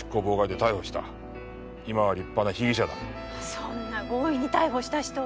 そんな強引に逮捕した人を。